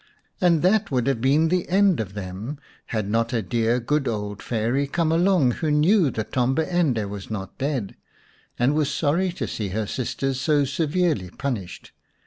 And that would have been the end of them had not a dear good old Fairy come along who knew that Tombi ende was not dead, and was sorry to see her sisters so severely punished.